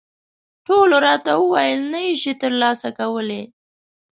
ټولو راته وویل، نه یې شې ترلاسه کولای.